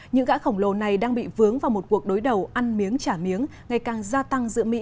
những gã khổng lồ này đang bị vướng vào một cuộc đối đầu ăn miếng trả miếng ngày càng gia tăng giữa mỹ